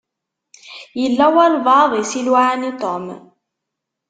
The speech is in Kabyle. Yella walebɛaḍ i s-iluɛan i Tom.